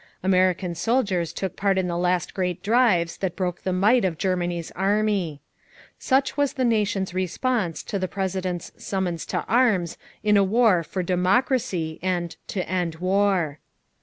American soldiers took part in the last great drives that broke the might of Germany's army. Such was the nation's response to the President's summons to arms in a war "for democracy" and "to end war."